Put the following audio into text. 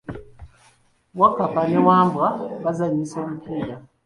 Wakkapa ne Wambwa bazanyisa omupiira.